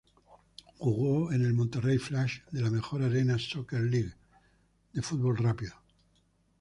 Jugó en el Monterrey Flash de la Major Arena Soccer League de fútbol rápido.